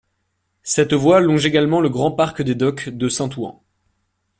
Cette voie longe également le Grand Parc des Docks de Saint-Ouen.